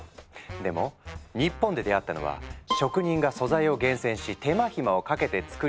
でも日本で出会ったのは職人が素材を厳選し手間暇をかけて作り出すスープ。